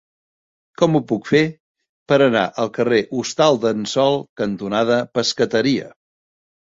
Com ho puc fer per anar al carrer Hostal d'en Sol cantonada Pescateria?